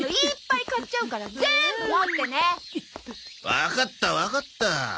わかったわかった。